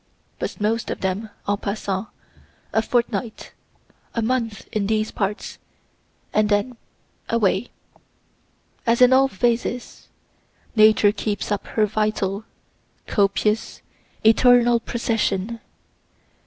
But most of them en passant a fortnight, a month in these parts, and then away. As in all phases, Nature keeps up her vital, copious, eternal procession.